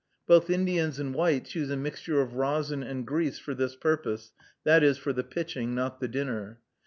Both Indians and whites use a mixture of rosin and grease for this purpose, that is, for the pitching, not the dinner.